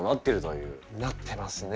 なってますね。